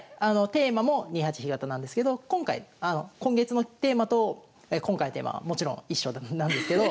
テーマも２八飛型なんですけど今月のテーマと今回のテーマはもちろん一緒なんですけど。